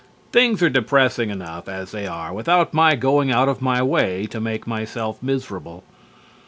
Things are depressing enough as they are without my going out of my way to make myself miserable.